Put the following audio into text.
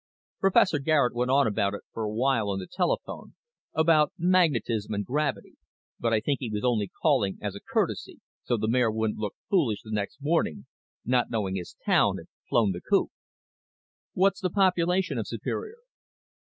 Professor Garet went on about it for a while, on the telephone, about magnetism and gravity, but I think he was only calling as a courtesy, so the mayor wouldn't look foolish the next morning, not knowing his town had flown the coop." "What's the population of Superior?"